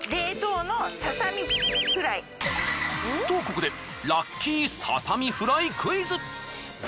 とここでラッキーささみフライクイズ！